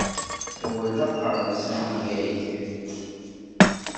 Awal-a, qqaren-as amyag.